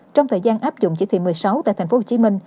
trong thời gian áp dụng chỉ thị một mươi sáu tại tp hcm